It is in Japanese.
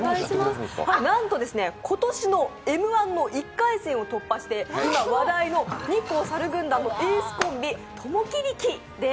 なんと今年のＭ−１の１回戦を突破して今話題の日光さる軍団のエースコンビ・ともきりきです。